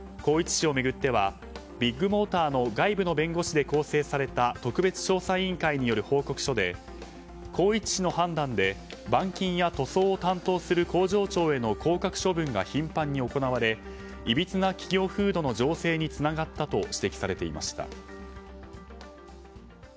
宏一氏を巡ってはビッグモーターの外部の弁護士で構成された特別調査委員会による報告書で宏一氏の判断で板金や塗装を担当する工場長への降格処分が頻繁に行われいびつな企業風土の醸成につながったと指摘されていました。